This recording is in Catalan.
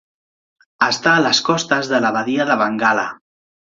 Està a les costes de la Badia de Bengala.